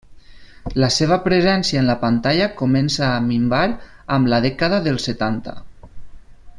La seva presència en la pantalla comença a minvar amb la dècada dels setanta.